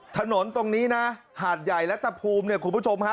ถนนตรงนี้นะหาดใหญ่รัฐภูมิเนี่ยคุณผู้ชมฮะ